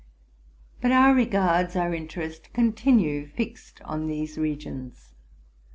But our regards, our interests, continue fixed on these regions.